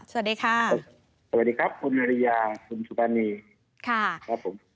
สวัสดีครับคุณนาริยาคุณชุบานี